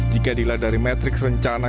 jika diladari metrik rencana